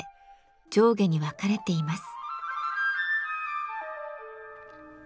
上下に分かれています。